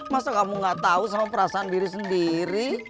masa kamu gak tahu sama perasaan diri sendiri